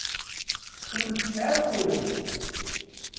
Kemm tesɛid turagt.